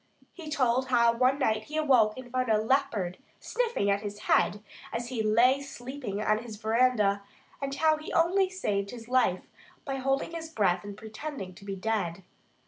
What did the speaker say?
He told how one night he awoke and found a leopard sniffing at his head as he lay sleeping on his veranda; and how he only saved his life by holding his breath and pretending to be dead.